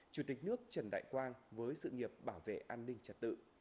chủ tịch nước trần đại quang với sự nghiệp bảo vệ an ninh trật tự